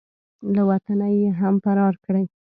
له وطنه یې هم فرار کړ.